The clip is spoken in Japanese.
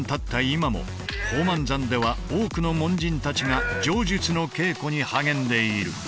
今も宝満山では多くの門人たちが杖術の稽古に励んでいる。